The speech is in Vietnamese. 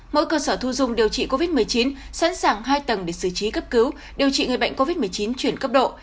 mỗi cơ sở thu dung điều trị covid một mươi chín sẵn sàng hai tầng để xử trí cấp cứu điều trị người bệnh covid một mươi chín chuyển cấp độ